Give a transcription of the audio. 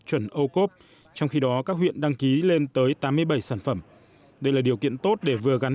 chuẩn ô cốp trong khi đó các huyện đăng ký lên tới tám mươi bảy sản phẩm đây là điều kiện tốt để vừa gắn